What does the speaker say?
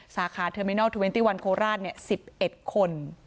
สาขาเทอร์เมนัล๒๑โคราช๑๑คน